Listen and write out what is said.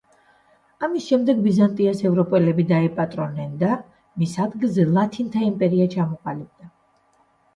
ამის შემდეგ ბიზანტიას ევროპელები დაეპატრონენ და მის ადგილზე ლათინთა იმპერია ჩამოყალიბდა.